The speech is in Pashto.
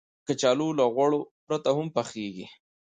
کچالو له غوړو پرته هم پخېږي